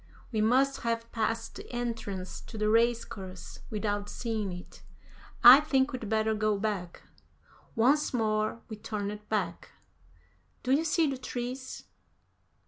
"We must have passed the entrance to the race course without seeing it. I think we'd better go back." Once more we turned back. "Do you see the trees?"